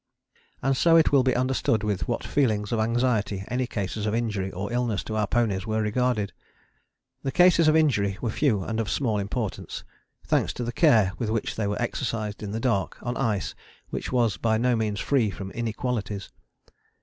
And so it will be understood with what feelings of anxiety any cases of injury or illness to our ponies were regarded. The cases of injury were few and of small importance, thanks to the care with which they were exercised in the dark on ice which was by no means free from inequalities.